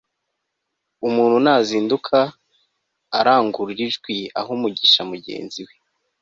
umuntu nazinduka arangurura ijwi aha umugisha mugenzi we